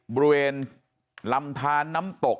บริเวณลำทานน้ำตก